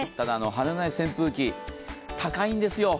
羽根のない扇風機、高いんですよ。